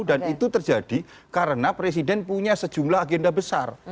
dan itu terjadi karena presiden punya sejumlah agenda besar